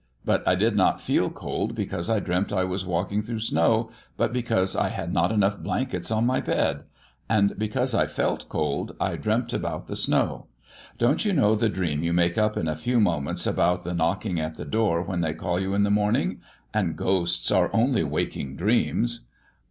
But I did not feel cold because I dreamt I was walking through snow, but because I had not enough blankets on my bed; and because I felt cold I dreamt about the snow. Don't you know the dream you make up in a few moments about the knocking at the door when they call you in the morning? And ghosts are only waking dreams."